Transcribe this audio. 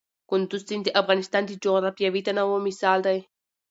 کندز سیند د افغانستان د جغرافیوي تنوع مثال دی.